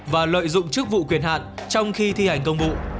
và lợi dụng chức vụ quyền hạn trong khi thi hành công vụ